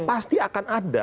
pasti akan ada